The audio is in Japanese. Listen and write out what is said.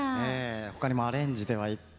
ほかにもアレンジではいっぱい。